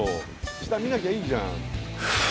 下見なきゃいいじゃん。